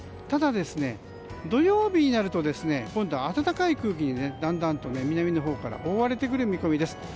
ただ、土曜日になると今度は暖かい空気にだんだんと南のほうから覆われてくる見込みです。